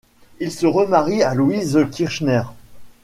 Il se remarie à Louise Kirchner.